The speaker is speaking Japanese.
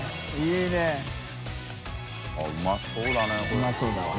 うまそうだわ。